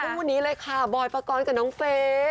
คู่นี้เลยค่ะบอยปกรณ์กับน้องเฟย์